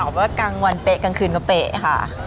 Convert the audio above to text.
จริงอยากตอบว่ากลางวันเป๊ะกลางคืนก็เป๊ะค่ะ